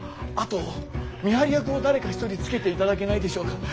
あと見張り役を誰か一人つけていただけないでしょうか。